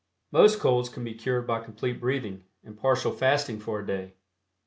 Most colds can be cured by Complete Breathing and partial fasting for a day.